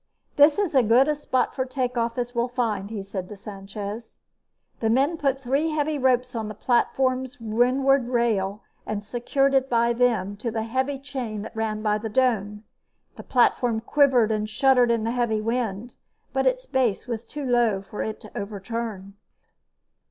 "This is as good a spot for takeoff as we'll find," he said to Sanchez. The men put three heavy ropes on the platform's windward rail and secured it by them to the heavy chain that ran by the dome. The platform quivered and shuddered in the heavy wind, but its base was too low for it to overturn.